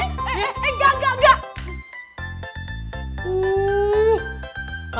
eh eh eh enggak enggak enggak